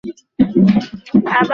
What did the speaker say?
আমার মামার বাড়ি মৌলভীবাজারে।